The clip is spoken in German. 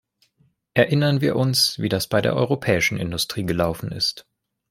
Erinnern wir uns, wie das bei der europäischen Industrie gelaufen ist.